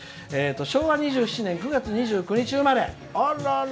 昭和２７年９月２７日生まれ。